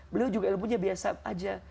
beliau juga ilmunya biasa aja